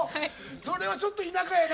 それはちょっと田舎やな。